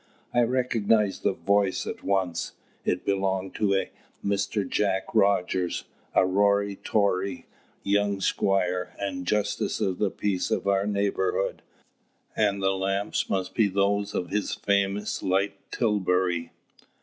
I recognized the voice at once. It belonged to a Mr. Jack Rogers, a rory tory young squire and justice of the peace of our neighbourhood, and the lamps must be those of his famous light tilbury.